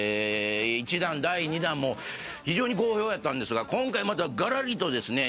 １弾第２弾も非常に好評やったんですが今回またがらりとですね